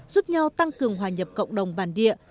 giúp nhau tăng cường hòa nhập cộng đồng bản địa